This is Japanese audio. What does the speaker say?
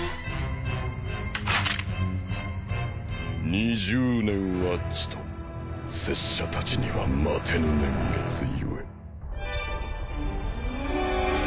２０年はちと拙者たちには待てぬ年月故。